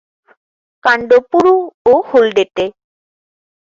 কাণ্ড পুরু ও হলদেটে।